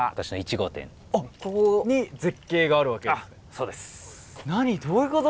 そうです。